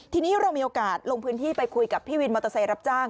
ทีนี้เรามีโอกาสลงพื้นที่ไปคุยกับพี่วินมอเตอร์ไซค์รับจ้าง